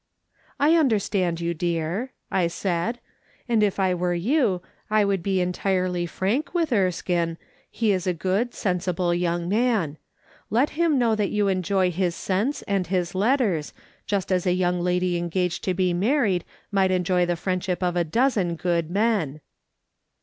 " I understand you, dear," I said, " and if I were you I would be entirely frank with Erskine, he is a good, sensible young man ; let him know that you enjoy his sense and his letters, just as a young lady engciged to be married might enjoy the friendship of a dozen good men."